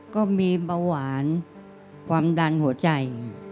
ก็มีเบาหวานความดันหัวใจ